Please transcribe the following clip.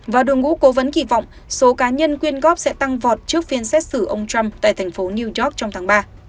và đội ngũ cố vấn kỳ vọng số cá nhân quyên góp sẽ tăng vọt trước phiên xét xử ông trump tại thành phố new york trong tháng ba